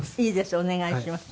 お願いします。